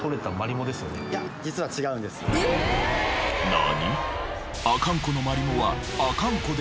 何！？